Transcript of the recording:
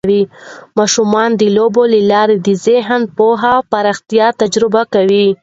ماشومان د لوبو له لارې د ذهني پوهې پراختیا تجربه کوي.